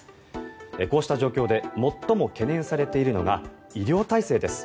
こうした状況で最も懸念されているのが医療体制です。